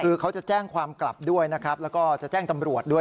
คือเขาจะแจ้งความกลับด้วยนะครับแล้วก็จะแจ้งตำรวจด้วย